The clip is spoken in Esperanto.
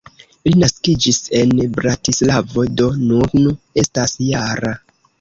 Li naskiĝis en Bratislavo, do nun estas -jara.